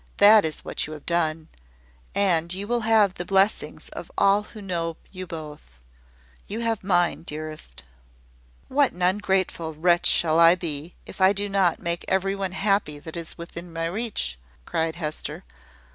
"That is what you have done: and you will have the blessings of all who know you both. You have mine, dearest." "What an ungrateful wretch shall I be, if I do not make every one happy that is within my reach!" cried Hester.